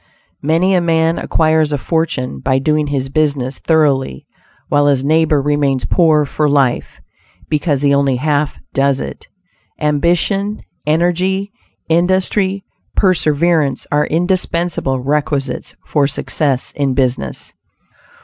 Many a man acquires a fortune by doing his business thoroughly, while his neighbor remains poor for life, because he only half does it. Ambition, energy, industry, perseverance, are indispensable requisites for success in business.